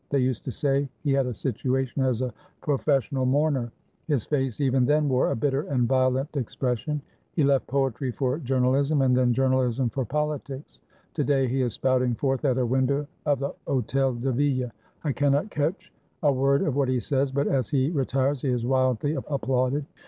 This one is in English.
They used to say he had a situation as a professional mourner. His face even then wore a bitter and violent expression. He left poetry for journalism, 411 FRANCE and then journalism for politics. To day he is spouting forth at a window of the Hotel de Ville. I cannot catch a word of what he says; but as he retires he is wildly applauded.